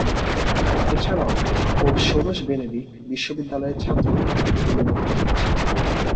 এছাড়াও পোপ ষোড়শ বেনেডিক্ট বিশ্ববিদ্যালয়ের ছাত্র এবং অধ্যাপক ছিলেন।